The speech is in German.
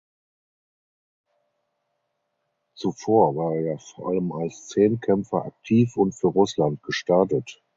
Zuvor war er vor allem als Zehnkämpfer aktiv und für Russland gestartet.